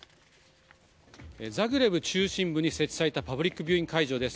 ザグレブ中心部に設置されたパブリックビューイング会場です。